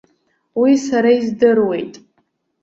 Уи сара издыруеит.